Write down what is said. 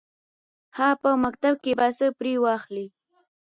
_هه! په مکتب کې به څه پرې واخلې.